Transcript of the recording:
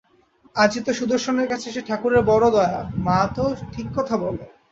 আজই তো সুদর্শনের কাছে সে-ঠাকুরের বড় দয়া-মা তো ঠিক কথা বলে!